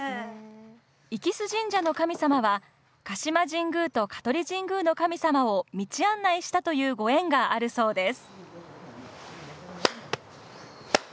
息栖神社の神様は鹿島神宮と香取神宮の神様を道案内したというご縁があるそうです。